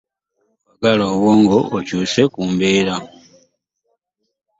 Wagala obwongo okyuse ku mbeera.